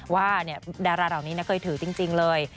ว่าดาราเหล่านี้เคยถือจริงเลย